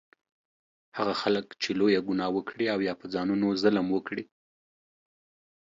هغه خلک چې لویه ګناه وکړي او یا په ځانونو ظلم وکړي